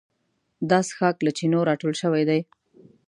دا څښاک له چینو راټول شوی دی.